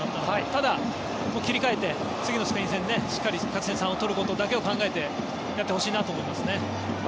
ただ、切り替えて次のスペイン戦しっかり勝ち点３を取ることだけを考えてやってほしいなと思いますね。